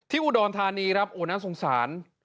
อุดรธานีครับโอ้น่าสงสาร